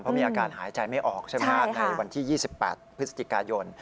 เพราะมีอาการหายใจไม่ออกใช่ไหมฮะในวันที่๒๘พฤศจิกายน